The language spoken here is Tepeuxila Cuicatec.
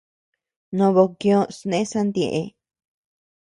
No bokioo sné santieʼe.